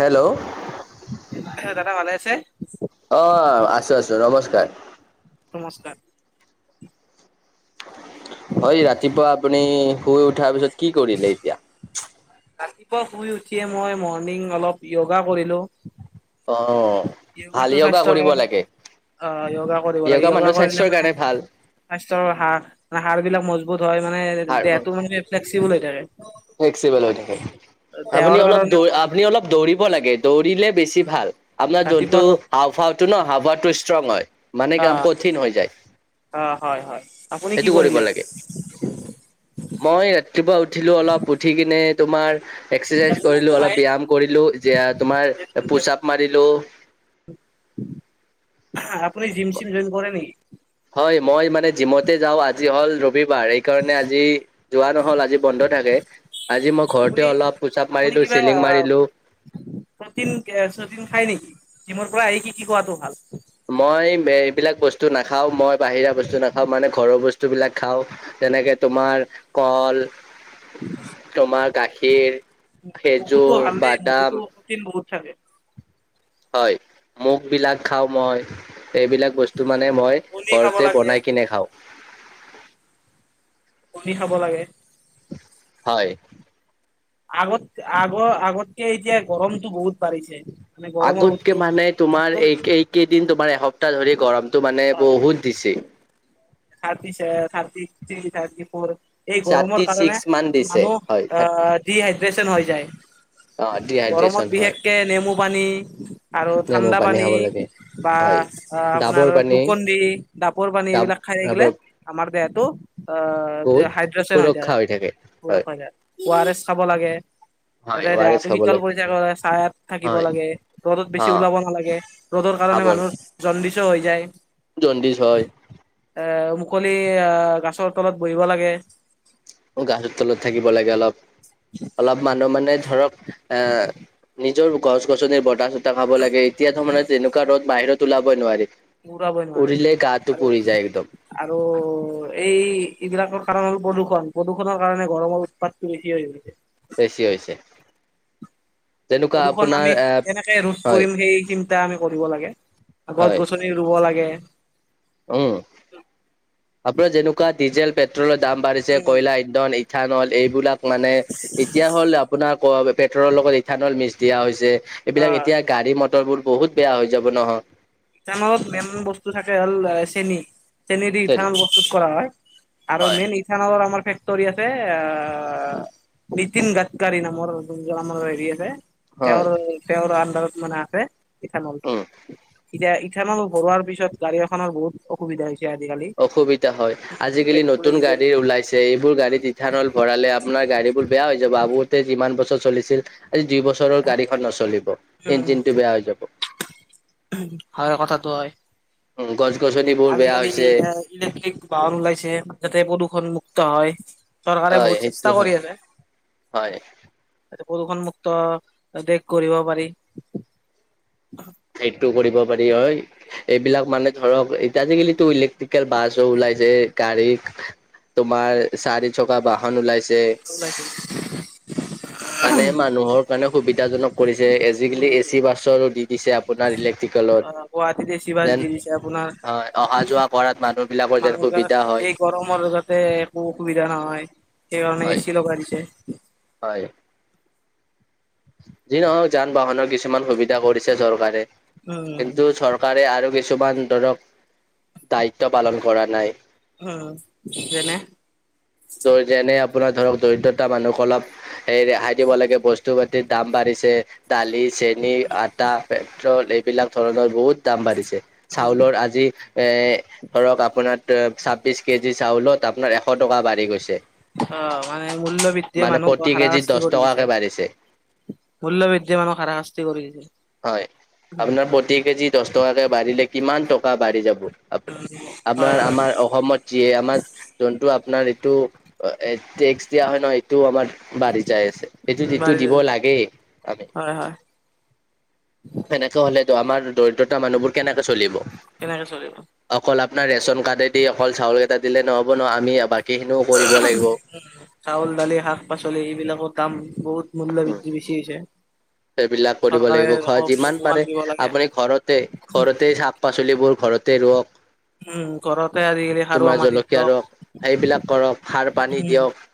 Hello দাদা ভালে আছে? অ', আছো-আছো নমস্কাৰ। নমস্কাৰ। হয়, ৰাতিপুৱা আপুনি শুই উঠাৰ পিছত কি কৰিলে এতিয়া? ৰাতিপুৱা শুই উঠিয়ে মই মৰ্ণিং অলপ য়োগা কৰিলোঁ। অঁ ভাল য়গাটো য়োগা স্বাস্থ্য কৰিব কাৰনে লাগে বহুত অ য়োগা কৰিব লাগে য়োগা মানুহৰ কৰিলে স্বাস্থ্যৰ মানে কাৰণে ভাল স্বাস্থ্যৰ সাৰ-সাৰ বিলাক মজবুত হয় মানে আৰু দেহটো মানে ফ্লেক্সিবল হৈ থাকে। ফ্লেক্সিবল হৈ আৰু থাকে। আপুনি দেহৰ অলপ কাৰণে দৌ ভাল। আপুনি অলপ দৌৰিব লাগে দৌ দিলে বেছি ভাল আপোনাৰ যোনটো ৰাতিপুৱা অলপ হাওফাওটো ন হাহ ফাওটো ষ্ট্ৰং হয়। মানে কাম অ' কঠিন হৈ যায়। অ' হয় হয়। আপুনি কি [inaudible] কৰিব কৰিলে? লাগে মই আ ৰাতিপুৱা উঠিলো অলপ, উঠি কিনে তুমাৰ এক্সাৰচাইজ কৰিলো অলপ ব্যায়াম কৰিলো যে তোমাৰ পুছ আপ মাৰিলো। আপুনি জিম চিম জইন কৰে নেকি? হয় মই মানে জিমতে যাও আজি হল ৰবি বাৰ কাৰণে আজি যোৱা নহল আজি বন্ধ থাকে, আজি মই ঘৰতে আপুনি অলপ পুচ আপ মাৰি চেলিং মাৰিলো। প্ৰতিন ছটিন খায় নেকি? জিমৰ পৰা আহি কি কি খোৱাটো ভাল। মই এইবিলাক বস্তু নাখাও মই বাহিৰা বস্তু নাখাও মানে ঘৰৰ বস্তু। বস্তুবিলাক খাওঁ তেনেকে তোমাৰ কল, তোমাৰ গাখীৰ মগুতো খেজুৰ ভাল দেই বাদাম মগুতো প্ৰটিন বহুত থাকে। হয় মুগ বিলাক খাও মই। এইবিলাক বস্তু মানে মই কণী খাব ঘৰতে লাগে বনাই কিনে খাওঁ। কণী খাব লাগে। হয়। আগত, আগৰ আগতকে এতিয়া গৰমতটো বহুত বাঢ়িছে। মানে গৰমৰ আগতকে মানে তোমাৰ উত্তাপটো এই বেছি এইকেইদিন তোমাৰ এসপ্তাহ ধৰি গৰম। টো মানে বহুত দিছে। থাৰ্টি-থাৰ্টি থ্ৰী, থাৰ্টি ফৰ এই গৰমৰ থাৰ্টি কাৰণে ছিক্স মান দিছে মানুহ হয় আহ, ডিহাইড্ৰেচন হৈ যায়। অ গৰমত ডিহাইড্ৰেচন হয় বিশেষকে নেমু পানী আৰু নেমু ঠাণ্ডা পানী খাব লাগে বা হয় আপোনাৰ ডাবৰ পানী গ্লুকন দি, ডাপৰ পানী, ডাব এইবিলাক খাই থাকিলে ডাবৰ আমাৰ দেহটো অ, বহুত হাইড্ৰেচন হৈ সুৰক্ষা থাকে। হয় [unintelligible] ওআৰএছ খাব লাগে। হয় তাতে অ আৰ এছ দেহাটো খাব শীতল লাগে কৰি থাকিব হয় লাগে, ৰ'দত বেছি অ ওলাব নালাগে। ৰ'দত কাৰণে মানুহৰ জণ্ডিচও হৈ যায়। জণ্ডিছ হয়। এ মুকলি আ গাছৰ তলত বহিব লাগে। গাছৰ তলত থাকিব লাগে অলপ, অলপ মানুহ মানে ধৰক অহ নিজৰ গছ গছনিৰ বতাহ চতাহ খাব লাগে, এতিয়া ত মানে তেনেকুৱা ৰ'দ বাহিৰত ত ওলাবই নোৱাৰি। ঘূৰাবই নোৱাৰি উৰিলে গাটো পুৰি আৰু যায় একদম আৰু এই এইবিলাকৰ কাৰণ হ'ল প্ৰদূষণ। প্ৰদূষণৰ কাৰণে গৰমৰ উৎপাতটো বেছি হৈ গৈছে। বেছি হৈছে। যেনেকুৱা প্ৰদূষন আপোনাৰ আমি এ কেনেকে ৰোধ হয় কৰিম সেই চিন্তা আমি কৰিব লাগে, গছ হয় গছনি ৰুব লাগে। উম আপোনাৰ যেনেকুৱা ডিজেল পেট্ৰলৰ দাম বাঢ়িছে উম কয়লা ইন্ধন ইথানল এইবিলাক মানে এতিয়া হ'ল আপোনাৰ পেট্ৰলৰ লগত ইথানল মিছ দিয়া হৈছে। অ এইবিলাক এতিয়া গাড়ী মটৰবোৰ বহুত বেয়া হৈ যাব নহয়। ইথানলত মেইন বস্তু থাকে হ'ল চেনী চেনী দি ইথানল প্ৰস্তুত কৰা হয়। আৰু হয় মেইন ইথানলত আমাৰ আছে আহ নীতিন গাডকাৰী নামৰ যোনজন আমাৰ হেৰি আছে। তেওঁ হয়, তেওঁৰ আন্দাৰত মানে আছে ইথানলটো। উম এতিয়া ইথানল ভৰোৱাৰ পিছত গাড়ী এখনৰ বহুত অসুবিধা হৈছে। আজিকালি। অসুবিধা হয় আজিকালি পেট্ৰল নতুন ডিজেল গাড়ী ওলাইছে এইবোৰ গাড়ীত ইথানল ভৰালে আপোনাৰ গাড়ীবোৰ বেয়া হৈ যাব আগতে যিমান বছৰ চলিছিল। আজি দুই বছৰৰ গাড়ীখন নচলিব উম, ইঞ্জিন টো বেয়া হৈ যাব। হয় কথাটো হয়। উম গছ গছনিবোৰ বেয়া আজিকালি হৈছে এ ইলেক্ট্ৰিক বাহন ওলাইছে যাতে প্ৰদূষণ মু হয় চৰকাৰে হয় বহুত সেইটো চেষ্টা হয় কৰি আছে। হয় প্ৰদূষণমুক্ত দেশ গঢ়িব পাৰি। সেইটো কৰিব পাৰি হয়। এইবিলাক মানে ধৰক এতিয়া আজিকালিটো ইলেক্ট্ৰিকেল বাছ ওলাইছে গাড়ী তোমাৰ চাৰি চকা বাহন ওলাইছে। ওলাইছে মানে মানুহৰ কাৰণে সুবিধা- জনক কৰিছে। এ খুলিছে চি বাছৰো দি দিছে আপোনাৰ ইলেক্ট্ৰিক। অ' গুৱাহাটীত এচি [inaudible] বাছ যেন দি দিছে আপোনাৰ হয় অহা যোৱা কৰাত মানুহ বিলাকৰ যেন মানুহবিলাক সুবিধা হয়। এই গৰমৰ যাতে একো অসুবিধা নহয়। সেইকাৰণে হয় এ চি লগাই দিছে। হয়। যি নহওক যান বাহনৰ কিছুমান সুবিধা কৰিছে চৰকাৰে। উম, কিন্তু চৰকাৰে আৰু বে - কিছুমান ধৰক দায়িত্ব পালন কৰা নাই। অ যেনে? যেনে আপোনাৰ ধৰক দৰিদ্ৰতা মানুহক অলপ স ৰেহাই দিব লাগে, বস্তু পাতিৰ দাম বাঢ়িছে, দালি চেনী, আটা, পেট্ৰল এইবিলাক ধৰণৰ বহুত দাম বাঢ়িছে। চাউলৰ আজি এ ধৰক আপোনাৰ ছাব্বিছ কেজি চাউলত আপোনাৰ এশ টকা বাঢ়ি গৈছে। অ মানে মূল্য বৃদ্ধিয়ে মানে মানুহক প্ৰতি কেজিত হাৰাশাস্তি দহ কৰি দিছে। টকাকে বাঢ়িছে মূল্য বৃদ্ধি মানুহক হাৰাশাস্তি কৰি দিছে। হয়। আপোনাৰ প্ৰতি কেজি দচ টকাকে বাঢ়িলে কিমান টকা বাঢ়ি যাব। আ হয় আপোনাৰ হয় আমাৰ অসমত যিয়ে আমাৰ যোনটো আপোনাৰ এইটো টেক্স দিয়া হয় ন, এইটো আমাৰ বাঢ়ি যাই আছে। সেইটো উম যিটো বাঢ়ি দিব যায় লাগেই আমি। হয় হয় সেনেকে হলে আমাৰ দৰিদ্ৰতা মানুহবোৰ কেনে চলিব। কেনেকে চলিব। অকল আপোনাৰ ৰেচন কাডে দি অকল চাউল কেইটা দিলে নহ'ব ন, আমি বাকীখিনিও কৰিব লাগিব [unintelligible] চাউল দালি শাক পাচলি এইবিলাকৰ দাম বহুত। মূল্য বৃদ্ধি বেছি হৈছে। সেইবিলাক কৰিব চৰকাৰে লাগিব। খোৱা অলপ যিমান চকু কাণ পাৰে দিব লাগে। আপুনি ঘৰতে ঘৰতে শাক পাচলিবোৰ ঘৰতে ৰোৱক, উম ঘৰতে আজিকালি [inaudible] সাৰুৱা তোমাৰ মাটিত জলকীয়া ৰস ৰুৱক, সেইবিলাক কৰক, সাৰ পানী উম দিয়ক।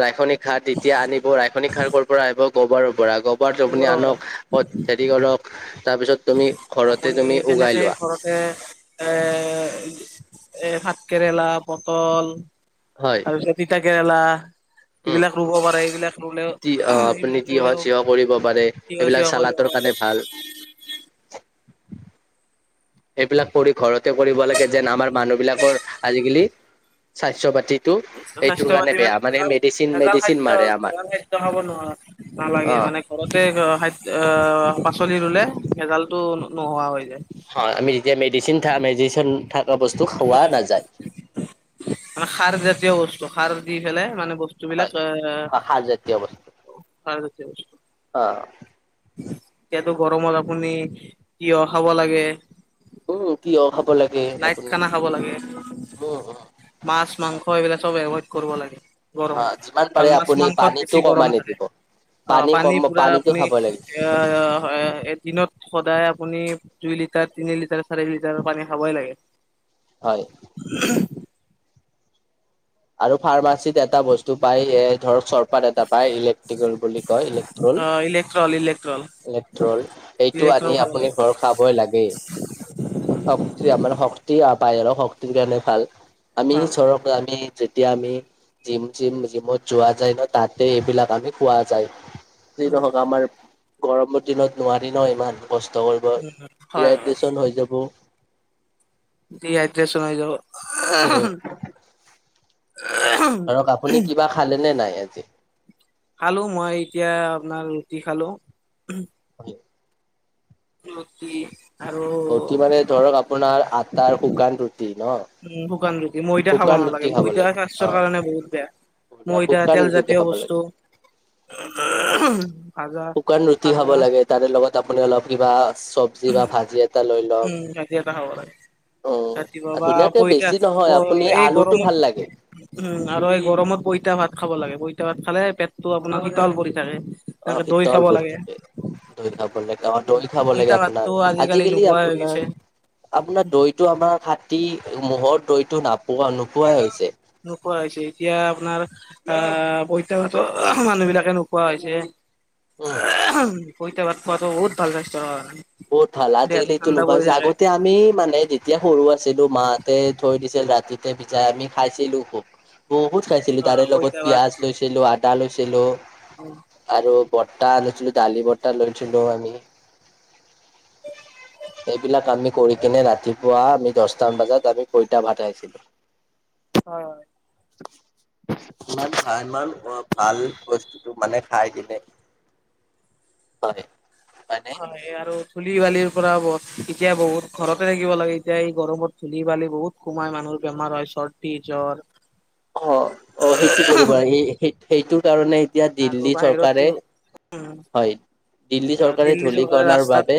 ৰাসনিক সাৰ তেতিয়া আনিব ৰাসনিক সাৰ ক'ৰ পৰা আহিব গোবৰ পৰা, গোবৰ আপুনি গোবৰৰ পৰা আনক প হেৰি কৰক। তাৰপিছত তুমি ঘৰতে আপুনি তুমি উগাই যেনেকে লোৱা ঘৰতে এ [unintelligible] এ ভাত কেৰেলা পটল হয় তাৰপিছত তিতা কেৰেলা উম এইবিলাক ৰুব পাৰে। এইবিলাক ৰুলেও তি অ আপুনি এইবিলাক তিয়হ ৰুলেও চিয়হ কৰিব পাৰে িয় [unintelligible] এইবিলাক চৱ চালাদৰ কৰিও কাৰণে ভাল। [unintelligible] এইবিলাক কৰি ঘৰতে কৰিব লাগে যেন আমাৰ মানুহ বিলাকৰ আজিকালি স্বাস্থ্য পাতি স্বাস্থ্য পাতি মানে ভেজাল ভেজাল মেডিচিন খাদ্য মাৰে হ'ল আমাৰ ভেজাল খাদ্য খাব নোৱাৰ অ নালাগে। মানে ঘৰতে খাদ অ পাচলি ৰুলে ভেজালটো নোহোৱা হৈ যায়। অ আমি যেতিয়া মেদিচিন থ মেডিচিন থকা বস্তু খোৱা মানে নাযায়। জসাৰ দি পেলাই মানে, বস্তুবিলাক হয় সাৰ জাতীয় বস্তু আহ্ত অ [unintelligible] এতিয়াতো গৰমত আপুনি তিয় খাব লাগে। উম তিয়হ হাব লাগে লাইট আপুনি খানা খাব লাগে উম উম। মাছ মাংস এইবিলাক চব এভইড কৰিব লাগে। হা গৰমত। যিমান পাৰে কাৰণ মাছ আপুনি মাংসত পানীটো বেছি গৰম কমাই থাকে। নিদিব অ পানী কম পুৰা পানীটো আপুনি খাব লাগে এদিনত সদায় আপুনি দুই লিটাৰ, তিনি লিটাৰ, চাৰি লিটাৰ পানী খাবই লাগে। হয়। আৰু ফাৰ্মাচীত এটা বস্তু তো পাই এ ধৰ চৰপাত এটা পায় ইলেক্ট্ৰিকেল বুলি কয় ইলেক্ট্ৰল। অ ইলেক্ট্ৰল ইলেক্ট্ৰল ইলেট্ৰল এইটো আনি ইলেক্ট্ৰল খাব আপুনি লাগে ঘৰ খাবই লাগেই। শক্তি আমাৰ শক্তি বাহিৰৰ শক্তিৰ কাৰণে ভাল আমি ভাল চৰ আমি যেতিয়া আমি জিম চিম জিমত যোৱা যায় ন তাতে এইবিলাক আমি খোৱা যায়। যি নহওক আমাৰ গৰমৰ দিনত নোৱাৰি ন ইমান। কষ্ট কৰিব হয় ৰেডিছন হৈ যাব। কি আদ্ৰে চলাই য অ' ধৰক আপুনি কিবা খালে নে নাই আজি? খালো মই এতিয়া আপোনাৰ ৰুটি খালো। [unintelligible] নি [unintelligible] ৰুটীমানে ধৰক আপোনাৰ আটাৰ শুকান ৰুটি ন? উম শুকান ৰুটি ময়দা খাব শুকান নালাগে ৰুটি খাব ময়দা লাগে। স্বাস্থ্যৰ অ', কাৰণে বহুত বেয়া। ময়দা শুকান ৰুটিটো তেলজাতীয় খাব বস্তু লাগে। [unintelligible] ভাজা শুকান ৰুটি খাব ভাজা। লাগে তাৰে লগত আপুনি অলপ কিবা চবজী ভাজি এটা লৈ লওক। উম ভাজি এটা খাব লাগে ৰাতিপুৱা অহ বা ধুনীয়াকে পইতা বেছি প নহয় আপুনি এই আলুটো গৰমত ভাল লাগে। উম আৰু এই গৰমত পইতা ভাত খাব লাগে পইতা ভাত খালে পেটটো আপোনাৰ হিতলতল পৰি থাকে। অ এনেকে দৈ খাব শীতল পৰি লাগে থাকে দৈ খাব লাগে। অ দৈ খাব লাগে পইতা আপোনাৰ ভাতটো আজিকালি নোহোৱা হৈ আপোনাৰ গৈছে আপোনাৰ দৈতটো আমাৰ খাতী মহৰ দৈটো নাপোৱা নোপোৱাই হৈছে। নোপোৱা হৈছে এতিয়া আপোনাৰ আহ পইতা ভাতৰ মানুহ বিলাকে নোখোৱা হৈছে উম, পইতা ভাত। ম বহুত ভাল লাইষ্ট বহুত ভাল আজিকালি এইটো নুখুৱা হৈছে আগতে আমি মানে যেতিয়া সৰু আছিলো মাহতে থৈ দিছিল। ৰাতিতে ভিজাই আমি খাইছিলো বহুত খাইছিলো, অ তাৰে লগত পইতা ভাত পিয়াজ লৈছিলো আ আদা লৈছিলো আৰু বটা লৈছিলো, ডালি বটা লৈছিলো আমি [unintelligible] এইবিলাক আমি কৰি কিনে ৰাতিপুৱা আমি দছটা মান বজাত আমি পইতা ভাত খাইছিলো। হয়, হয় ইমান ভাল ইমান অ ভাল বস্তু। টো মানে খাই কিনে হয়। মানে হয় আৰু ধুলি বালিৰ পৰা ব এতিয়া বহুত ঘৰতে থাকিব লাগে এতিয়া এই গৰমত ধূলি বালি বহুত সোমাই মানুহৰ বেমাৰ হয় চৰ্দি জ্বৰ অ অ সেইটো কৰিব সেইটো কাৰণে এতিয়া দিল্লী চৰকাৰে অ হয় দিল্লী চৰকাৰে ধূলিকণাৰ বাবে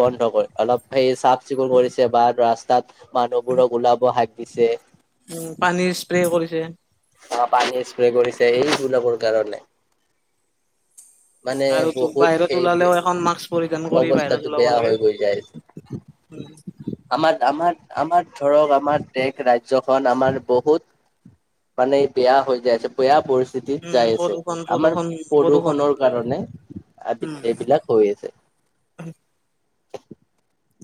বন্ধ কৰে অলপ সেই চাফ চিকুণ কৰিছে বা ৰাস্তাত। মানুহবোৰক ওলাব হাক দিছে। প্লে কৰিছে। অ পানী স্প্ৰে কৰিছে এইবিলাবৰ কাৰণে, মানে আৰু বহুত বাহিৰত সেই, ওলালেও এখন মাস্ক পৰিধান কৰি বাহিৰত অৱস্থাটো ওলাব বেয়া লাগে হৈ গৈ যাইছে আমাৰ আমাৰ আমাৰ ধৰক আমাৰ দেশ ৰাজ্যখন আমাৰ বহুত মানে এই বেয়া হৈ যায়ছে বেয়া ব সিতিত উম যাই আছে প্ৰদূষণ আমাৰ প্ৰদূষণ প্ৰদূষণ প্ৰদূষণৰ কাৰণে, আদি উম এইবিলাক হৈ আছে [unintelligible]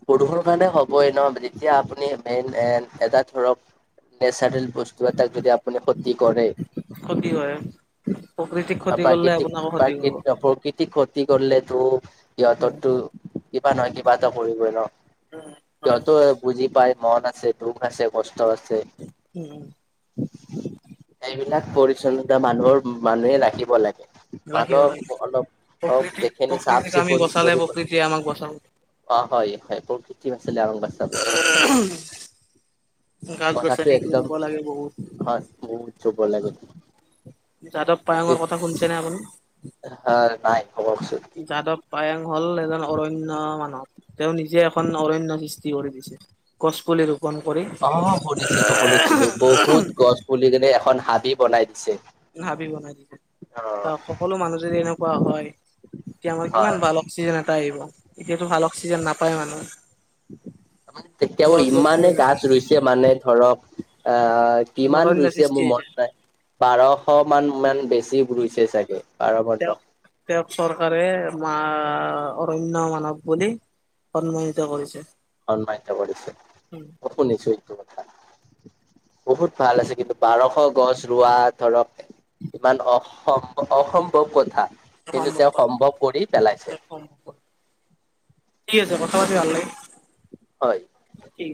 সৰু সৰু কাৰণে হ'ব এ ন যেতিয়া আপুনি মেইন এন এটা ধৰক নেচাৰেল বস্তু এটাক যদি আপুনি ক্ষতি কৰে ক্ষতি হয় প্ৰকৃতিক অ ক্ষতি কৰিলে প্ৰাকৃতিক আপোনাকো ক্ষতি কৰিব প্ৰাকৃতি প্ৰকৃতিক কৰিলে তো উম সিহঁতৰ টো কিবা নহয় কিবা এটা কৰিবই ন হয় যত বুজি পায় মন আছে দুখ আছে কষ্ট আছে উম এইবিলাক হয় পৰিচন্নতা মানুহৰ মানুহে ৰাখিব লাগে ৰাখিব লাগে মানুহক অলপ অ প্ৰকৃতিক যিখিনি চাফ প্ৰকৃতিক চি আমি কুণ বচালে কৰিব প্ৰকৃতিয়ে আমাক বচাব অ হয় প্ৰকৃতি বাচিলে আমাক বাচাব কথাটো গছ-গছনি একদম ৰুব লাগে বহুত, হয় বহুত [unintelligible] লাগে যাদৱ পায়ঙৰ কথা শুনিছেনে আপুনি? হা নাই খবৰ চুটি যাদৱ পায়ং হল এজন অৰণ্য মানুহ তেওঁ নিজে এখন অৰণ্য সৃষ্টি কৰি দিছে গছপুলি ৰূপ অ শুনিছিলো শুনিছিলো বহুত গছ পুলি যেনে এখন হাবি বনাই দিছে হাবি বনাই দিছে অ বা সকলো মানুহ যদি এনেকুৱা হয় এতিয়া আমাৰ কিমান হয় ভাল অক্সিজেন এটা আহিব এতিয়াতো ভাল অক্সিজেন নাপায় মানুহে কেতিয়াবা ইমানে গছ-গছনি নাই গাছ ৰুইছে মানে ধৰক অ এখন কিমান অৰণ্য ৰুইছে সৃষ্টি মোৰ হৈছে। মনত নাই বাৰশ মান মান বেছি ৰুইছে চাগে বাৰ পোন্ধ তেওঁক তেওঁক চৰকাৰে অ অৰণ্য মানৱ বুলি সন্মানিত কৰিছে সম্মানিত কৰিছে মই শুনিছো কথা [unintelligible] [inaudible] বহুত ভাল আছে কিন্তু বাৰশ গছ ৰোৱা ধৰক ইমান অসম্ অসম্ভৱ কথা কিন্তু তেওঁ সম্ভৱ কৰি পেলাইছে অসমতে ভাল লাগে হয় কি